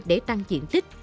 để tăng diện tích